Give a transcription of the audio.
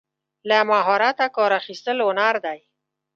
له مهارته کار اخیستل هنر دی.